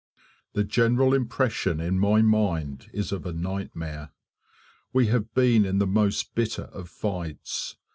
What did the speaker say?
The general impression in my mind is of a nightmare. We have been in the most bitter of fights.